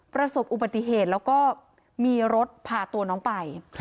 ประสบอุบัติเหตุแล้วก็มีรถพาตัวน้องไป